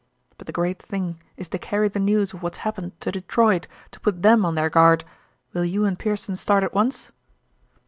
But the great thing is to carry the news of what's happened to Detroit, to put them on their guard. Will you and Pearson start at once?'